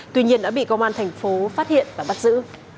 tuy nhiên đã bị công an tp phát hiện và bắt giữ